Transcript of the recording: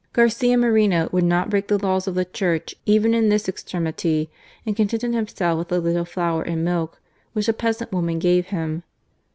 Garcia Moreno would not break the laws of the Church even in this extremity, and contented himself with a little flour and milk which a peasant woman gave him.